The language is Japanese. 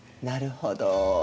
なるほど。